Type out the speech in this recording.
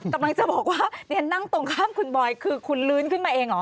กำลังจะบอกว่านั่งตรงข้ามคุณบอยคือคุณลื้นขึ้นมาเองเหรอ